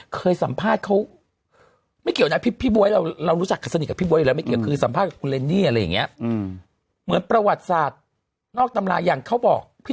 เคยสัมภาษณ์เขาไม่เกี่ยวนะพี่พี่เราเรารู้จักคลีฟสนิทกับพี่